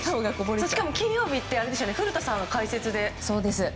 しかも金曜日って古田さん解説で。